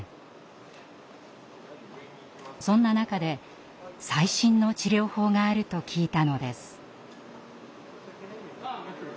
そんな中で最新の治療法があると聞いたのです。